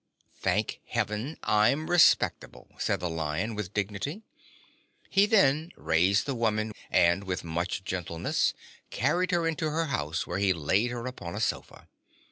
"Thank heaven I'm respectable," said the Lion, with dignity. He then raised the woman and with much gentleness carried her into her house, where he laid her upon a sofa.